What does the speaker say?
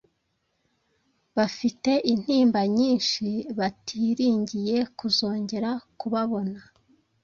bafite intimba nyinshi, batiringiye kuzongera kubabona.